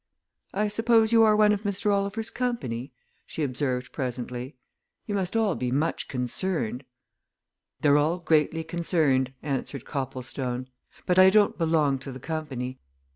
"I suppose you are one of Mr. Oliver's company?" she observed presently. "You must all be much concerned." "They're all greatly concerned," answered Copplestone. "But I don't belong to the company.